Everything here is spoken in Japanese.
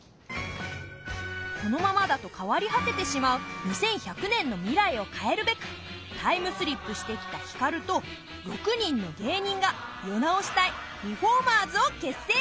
このままだと変わり果ててしまう２１００年の未来を変えるべくタイムスリップしてきたヒカルと６人の芸人が世直し隊リフォーマーズを結成！